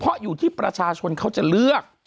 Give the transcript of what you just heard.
เพราะอยู่ที่ประชาชนเขาจะเลือก